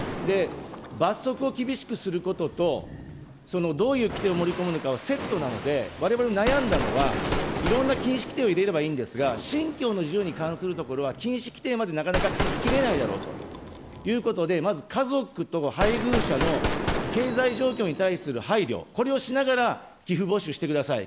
罰則を厳しくすることと、どういう規定を盛り込むのかはセットなので、われわれも悩んだのは、いろんな禁止規定を入れればいいんですが、信教の自由に関するところは禁止規定までなかなか書ききれないだろうということで、まず家族と配偶者の経済状況に対する配慮、これをしながら、寄付募集してください。